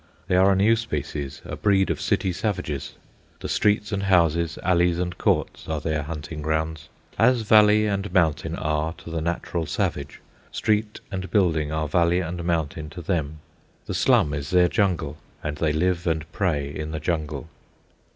They are a new species, a breed of city savages. The streets and houses, alleys and courts, are their hunting grounds. As valley and mountain are to the natural savage, street and building are valley and mountain to them. The slum is their jungle, and they live and prey in the jungle.